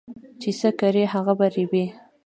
چې څه کرې هغه به ريبې